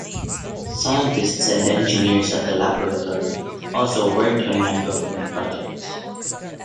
Scientists and engineers at the Laboratory also worked on non-government projects.